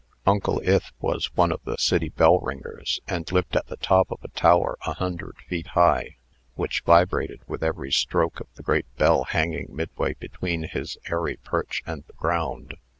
"Uncle Ith" was one of the city bellringers, and lived at the top of a tower a hundred feet high, which vibrated with every stroke of the great bell hanging midway between his airy perch and the ground.